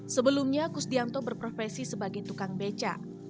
sebelumnya kusdianto berprofesi sebagai tukang beca